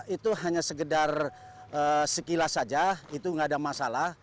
itu hanya sekedar sekilas saja itu tidak ada masalah